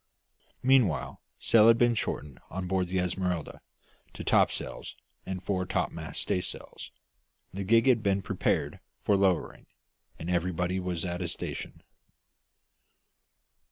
Meanwhile sail had been shortened on board the Esmeralda to topsails and fore topmast staysail; the gig had been prepared for lowering, and everybody was at his station.